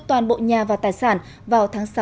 toàn bộ nhà và tài sản vào tháng sáu